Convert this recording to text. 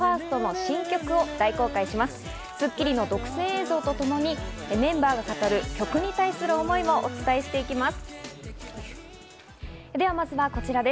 『スッキリ』の独占映像とともにメンバーが語る曲に対する思いもお伝えしていきます。